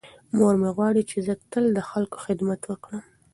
مور مې غواړي چې زه تل د خلکو خدمت وکړم.